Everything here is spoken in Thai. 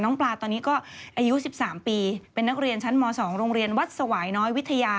ปลาตอนนี้ก็อายุ๑๓ปีเป็นนักเรียนชั้นม๒โรงเรียนวัดสวายน้อยวิทยา